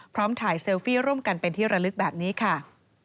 ถ่ายเซลฟี่ร่วมกันเป็นที่ระลึกแบบนี้ค่ะ